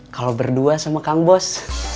kalau berdua sama kang bos